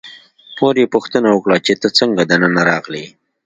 مور یې پوښتنه وکړه چې ته څنګه دننه راغلې.